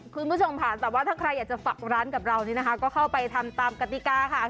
คุณผู้ชมค่ะแต่ว่าถ้าใครอยากจะฝากร้านกับเรานี่นะคะก็เข้าไปทำตามกติกาค่ะ